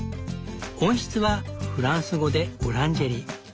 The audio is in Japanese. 温室はフランス語でオランジェリー。